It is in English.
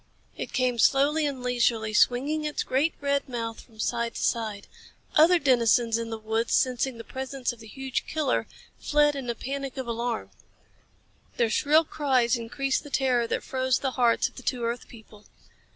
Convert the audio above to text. It came slowly and leisurely, swinging its great red mouth from side to side. Other denizens in the woods, sensing the presence of the huge killer, fled in a panic of alarm. Their shrill cries increased the terror that froze the hearts of the two earth people.